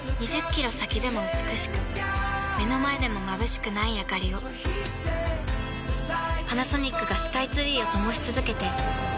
２０キロ先でも美しく目の前でもまぶしくないあかりをパナソニックがスカイツリーを灯し続けて今年で１０年